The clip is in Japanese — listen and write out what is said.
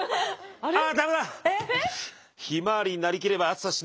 あダメだ！